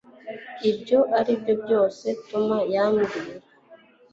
ibyo aribyo byose tom yambwira